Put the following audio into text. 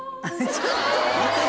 ちょっと。